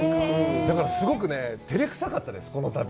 だからすごくね、照れくさかったです、この旅。